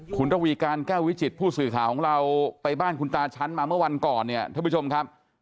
คุณระวีการแก้ววิจิตผู้สื่อข่าวของเราไปบ้านคุณตาชั้นมาเมื่อวันก่อนเนี่ยท่านผู้ชมครับ